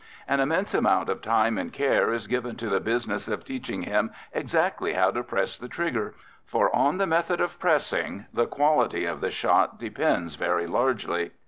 An immense amount of time and care is given to the business of teaching him exactly how to press the trigger, for on the method of pressing the quality of the shot depends very largely.